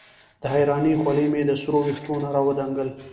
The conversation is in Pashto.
د حېرانۍ خولې مې د سر وېښتو نه راودنګل